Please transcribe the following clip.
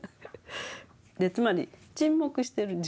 つまり沈黙してる時間。